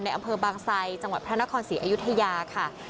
อำเภอบางไซจังหวัดพระนครศรีอยุธยาค่ะ